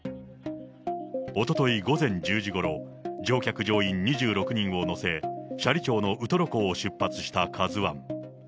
おととい午前１０時ごろ、乗客・乗員２６人を乗せ、斜里町のウトロ港を出発したカズワン。